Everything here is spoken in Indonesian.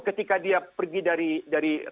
ketika dia pergi dari